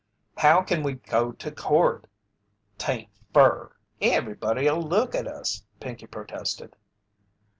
"How kin we go to court?" "'Tain't fur." "Everybody'll look at us," Pinkey protested.